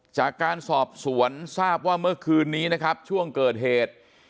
จากการสอบสวนทราบว่าเมื่อคืนนี้นะครับช่วงเกิดเหตุ